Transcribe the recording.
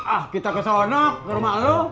ah kita kesana ke rumah lo